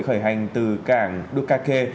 khởi hành từ cảng đức cà trị